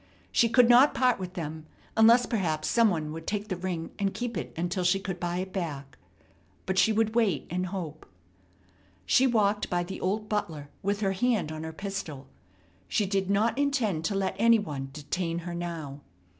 She could not part with them, unless perhaps some one would take the ring and keep it until she could buy it back. But she would wait and hope. She walked by the old butler with her hand on her pistol. She did not intend to let any one detain her now.